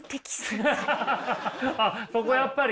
あっそこやっぱり。